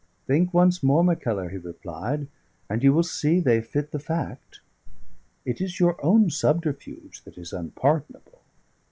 "Think once more, Mackellar," he replied; "and you will see they fit the fact. It is your own subterfuge that is unpardonable.